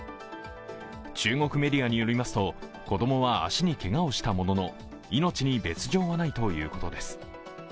中国メディアによりますと、子供は足にけがをしたものの命に別状はないということです。